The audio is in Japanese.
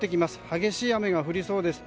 激しい雨が降りそうです。